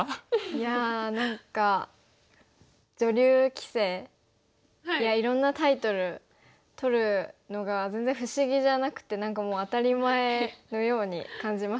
いや何か女流棋聖やいろんなタイトル取るのが全然不思議じゃなくてもう当たり前のように感じます。